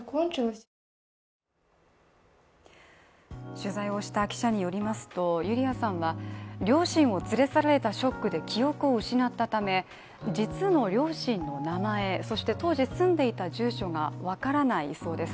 取材をした記者によるとユリアさんは両親を連れ去られたショックで記憶を失ったため、実の両親の名前、そして当時住んでいた住所が分からないそうです。